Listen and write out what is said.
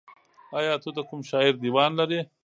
ایا ته د کوم شاعر دیوان لرې؟